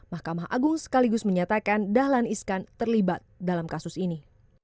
mahkamah agung sekaligus menyatakan dahlan iskan terlibat dalam kasus ini